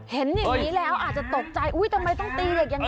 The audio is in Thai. เห็นอย่างนี้แล้วอาจจะตกใจอุ๊ยทำไมต้องตีแบบนั้น